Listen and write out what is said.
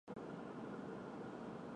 容易辨识猎户座与北极星